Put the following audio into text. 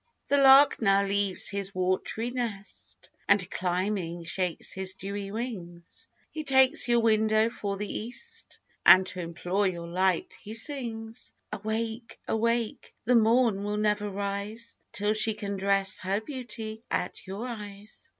The lark now leaves his wat'ry nest, And climbing, shakes his dewy wings, He takes your window for the east, And to implore your light, he sings; Awake, awake, the morn will never rise Till she can dress her beauty at your eyes.